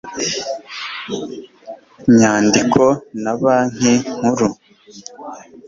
nyandiko na banki nkuru